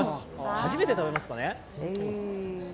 初めて食べますかね。